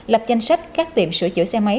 lập danh sách các tiệm sửa chữa xe máy